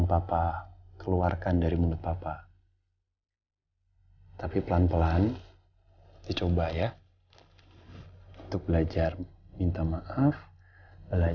papa senang bisa buatin tenda untuk rena